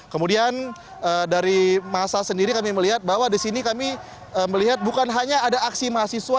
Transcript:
kemudian dari masa sendiri kami melihat bahwa di sini kami melihat bukan hanya ada aksi mahasiswa